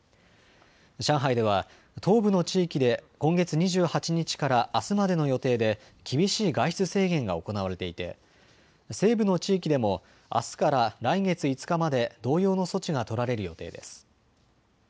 上海では東部の地域で今月２８日からあすまでの予定で厳しい外出制限が行われていて西部の地域でもあすから来月５日まで同様の措置が取られる予定です。